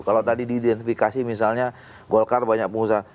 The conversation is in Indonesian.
kalau tadi diidentifikasi misalnya golkar banyak pengusaha